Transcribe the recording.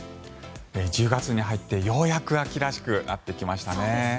１０月に入って、ようやく秋らしくなってきましたね。